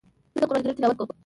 زه د قرآن کريم تلاوت کوم.